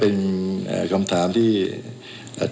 แต่เจ้าตัวก็ไม่ได้รับในส่วนนั้นหรอกนะครับ